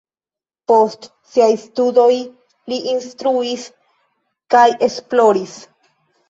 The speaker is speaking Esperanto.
Post siaj studoj li instruis kaj esploris.